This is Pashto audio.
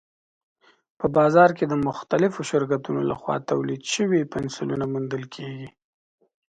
په بازار کې د مختلفو شرکتونو لخوا تولید شوي پنسلونه موندل کېږي.